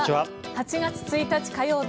８月１日、火曜日